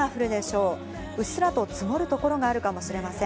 うっすらと積もる所があるかもしれません。